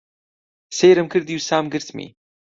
سەیرم کردی و سام گرتمی.